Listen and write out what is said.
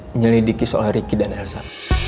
menyelidiki soal ricky dan elsa